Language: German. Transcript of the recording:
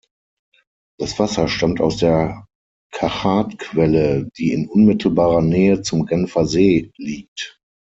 Das Wasser stammt aus der Cachat-Quelle, die in unmittelbarer Nähe zum Genfersee liegt.